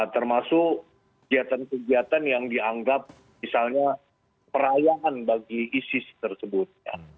termasuk kegiatan kegiatan yang dianggap misalnya perayaan bagi isis tersebut